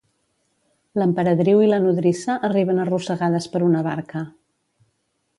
L'emperadriu i la nodrissa arriben arrossegades per una barca.